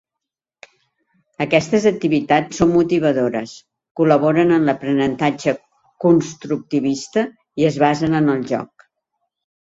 Aquestes activitats són motivadores, col·laboren en l'aprenentatge constructivista i es basen en el joc.